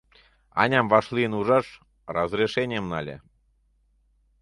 Аням вашлийын ужаш разрешенийым нале.